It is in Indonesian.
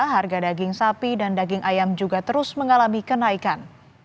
harga daging sapi dan daging ayam juga terus mengalami kenaikan